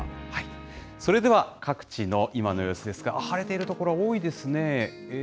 それでは各地の今の様子ですが、晴れている所が多いですね。